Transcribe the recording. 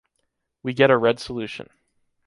We get a red solution.